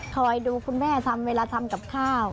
คอยดูคุณแม่ทำเวลาทำกับข้าว